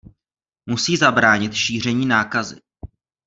Musí zabránit šíření nákazy.